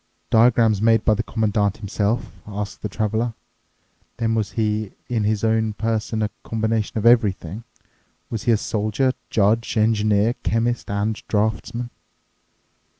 "Diagrams made by the Commandant himself?" asked the Traveler. "Then was he in his own person a combination of everything? Was he soldier, judge, engineer, chemist, and draftsman?"